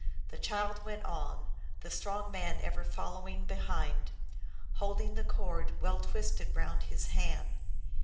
The child went on, the strong man ever following behind, holding the cord well twisted round his hand.